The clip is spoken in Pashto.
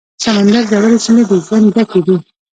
د سمندر ژورې سیمې د ژوند ډکې دي.